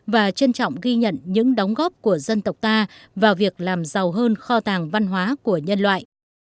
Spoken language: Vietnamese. và trân trọng ghi nhận những đóng góp của dân tộc ta vào việc làm giàu hơn kho tàng văn hóa của nhân loại